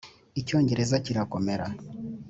icyongereza kirakomera.